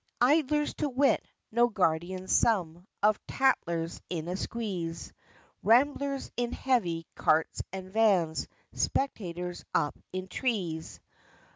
Idlers to wit no Guardians some, Of Tattlers in a squeeze; Ramblers in heavy carts and vans, Spectators up in trees.